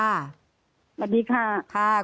สวัสดีค่ะ